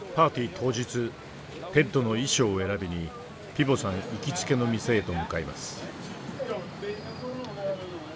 当日テッドの衣装を選びにピヴォさん行きつけの店へと向かいます。